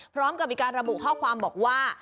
พร้อมกับมีการระบุข้อความบอกว่า